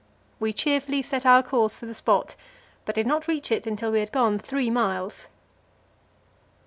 We cheerfully set our course for the spot, but did not reach it until we had gone three miles.